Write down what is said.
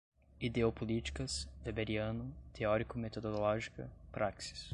Ideopolíticas, weberiano, teórico-metodológica, práxis